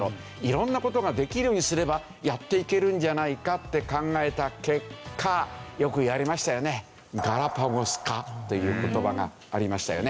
色んな事ができるようにすればやっていけるんじゃないかって考えた結果よく言われましたよね。という言葉がありましたよね。